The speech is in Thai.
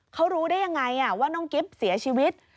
เขารู้ได้ยังไงว่าน้องกิ๊บเสียชีวิต